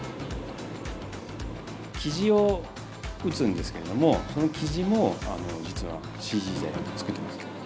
キジを撃つんですけれどもそのキジも実はＣＧで作ってます。